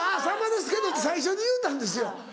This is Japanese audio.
「さんまですけど」って最初に言うたんですよ。